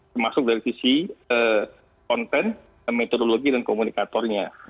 termasuk dari sisi konten metodologi dan komunikatornya